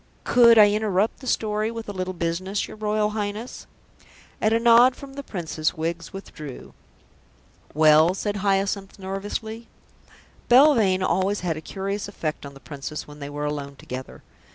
"Could I interrupt the story with a little business, your Royal Highness?" At a nod from the Princess, Wiggs withdrew. "Well?" said Hyacinth nervously. Belvane had always a curious effect on the Princess when they were alone together.